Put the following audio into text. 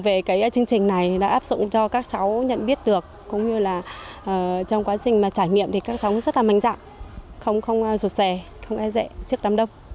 hài lòng về cái chương trình này đã áp dụng cho các cháu nhận biết được cũng như là trong quá trình mà trải nghiệm thì các cháu cũng rất là mạnh dạng không rụt rè không e rẹ trước đám đông